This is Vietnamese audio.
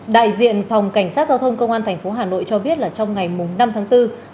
đại diện phòng cảnh sát giao thông công an tp hà nội cho biết là trong ngày năm tháng bốn